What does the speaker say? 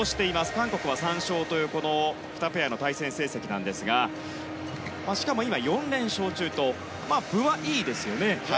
韓国は３勝というこの２ペアの対戦成績ですがしかも今、４連勝中と分はいいですよね。